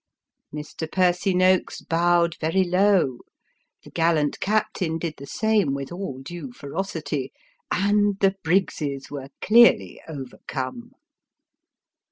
Mr. Percy Noakes bowed very low: the gallant captain did the same with all due ferocity, and the Briggses were clearly overcome.